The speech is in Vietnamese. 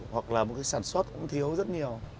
hoặc là một cái sản xuất cũng thiếu rất nhiều